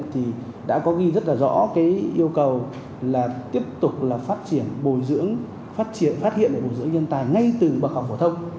thì đã có ghi rất là rõ cái yêu cầu là tiếp tục là phát triển bồi dưỡng phát triển phát hiện để bồi dưỡng nhân tài ngay từ bậc học phổ thông